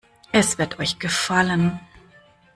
Es wird euch gefallen.